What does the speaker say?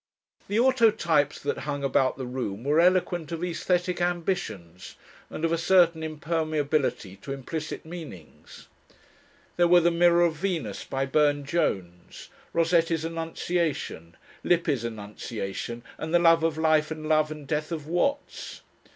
The autotypes that hung about the room were eloquent of aesthetic ambitions and of a certain impermeability to implicit meanings. There were the Mirror of Venus by Burne Jones, Rossetti's Annunciation, Lippi's Annunciation, and the Love of Life and Love and Death of Watts.